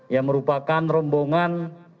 yang merupakan rombongan